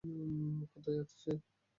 কোথায় আছে সে?